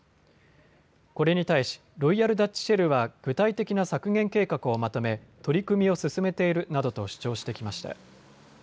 これに対し、ロイヤル・ダッチ・シェルは具体的な削減計画をまとめ、取り組みを進めているなどと主張してきました。